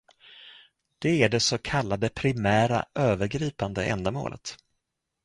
Det är det så kallade primära övergripande ändamålet.